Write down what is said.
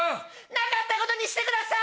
なかったことにしてください！